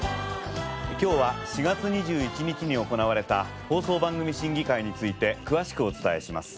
今日は４月２１日に行われた放送番組審議会について詳しくお伝えします。